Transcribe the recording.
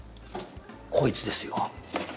こいつですよ。